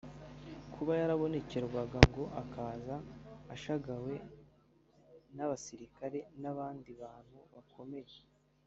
Kuba yarabonekerwaga ngo akaza ashagawe n'abasilikari n'abandi bantu bakomeye